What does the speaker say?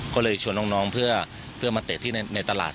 ก็เลยชวนน้องเพื่อมาเตะที่ในตลาด